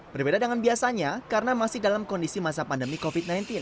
berbeda dengan biasanya karena masih dalam kondisi masa pandemi covid sembilan belas